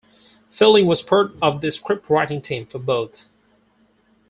Fielding was part of the scriptwriting team for both.